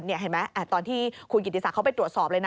เห็นไหมตอนที่คุณกิติศักดิ์เขาไปตรวจสอบเลยนะ